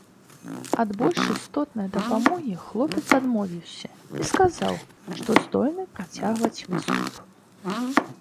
Ад больш істотнай дапамогі хлопец адмовіўся і сказаў, што здольны працягваць выступ.